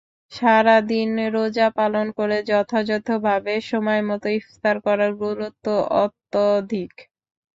সারা দিন রোজা পালন করে যথাযথভাবে সময়মতো ইফতার করার গুরুত্ব অত্যধিক।